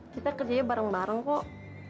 kita kerjanya bareng bareng kok